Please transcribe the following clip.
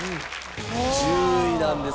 １０位なんですね。